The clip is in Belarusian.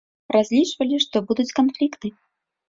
Разлічвалі, што будуць канфлікты.